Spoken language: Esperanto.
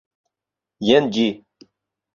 Jen ĝi